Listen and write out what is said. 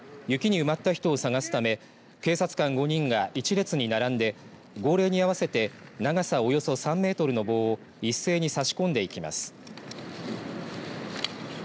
雪に埋まった人を捜すため警察官５人が１列に並んで、号令に合わせて長さおよそ３メートルの棒を一斉に差し込んでいきます。